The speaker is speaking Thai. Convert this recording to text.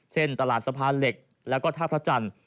เช่นตลาดสะพานเหล็กแล้วก็ท่าพระจันทร์